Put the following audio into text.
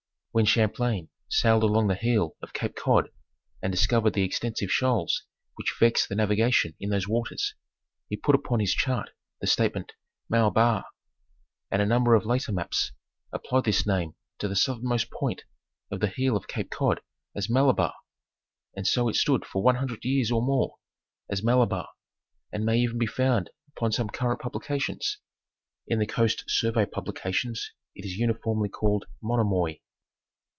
275 When Champlain sailed along the heel of Cape Cod and discoy ered the extensive shoals which vex the navigation in those waters, he put upon his chart the statement mal barre, and a number of later maps applied this name to the southernmost point of the heel of Cape Cod as Malabar, and so it stood for 100 years or more as Malabar and may even be found upon some current publications. In the Coast Survey publications it is uniformly called Monomoy.